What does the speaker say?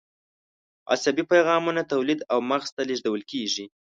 عصبي پیغامونه تولید او مغز ته لیږدول کېږي.